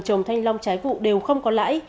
trồng thanh long trái vụ đều không có lãi